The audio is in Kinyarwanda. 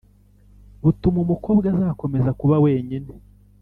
butuma umukobwa azakomeza kuba wenyine